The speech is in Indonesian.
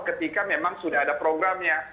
ketika memang sudah ada programnya